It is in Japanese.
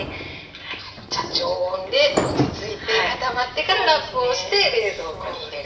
じゃあ常温で落ち着いて固まってからラップをして冷蔵庫に入れると。